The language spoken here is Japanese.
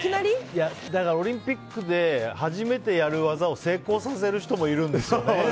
オリンピックで初めてやる技を成功させる人もいるんですよね